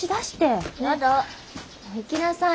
行きなさい。